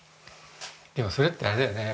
でもそれってあれだよね。